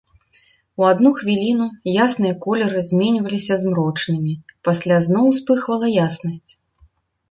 У адну хвіліну ясныя колеры зменьваліся змрочнымі, пасля зноў успыхвала яснасць.